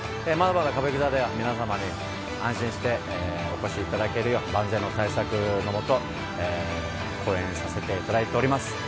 まだまだ歌舞伎座では皆様に安心してお越しいただけるよう万全の対策のもと公演させていただいております。